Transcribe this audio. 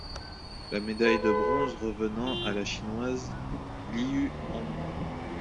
La médaille de bronze revenant à la Chinoise Liu Hong.